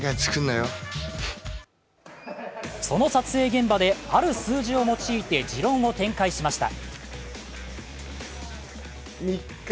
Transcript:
その撮影現場である数字を用いて持論を展開しました。